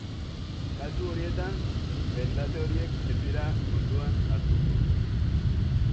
Kasu horietan, mendate horiek ez dira kontuan hartuko.